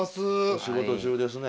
お仕事中ですね。